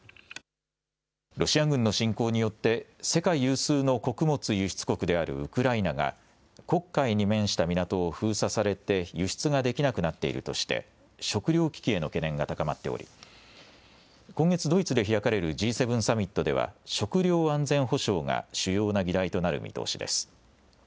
ロシア軍の侵攻によって、世界有数の穀物輸出国であるウクライナが、黒海に面した港を封鎖されて輸出ができなくなっているとして、食糧危機への懸念が高まっており、今月、ドイツで開かれるＧ７サミットでは、食料安全保障が主要な議題となる見通しです。